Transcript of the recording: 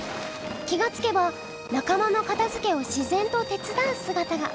気がつけば仲間のかたづけを自然と手伝うすがたが。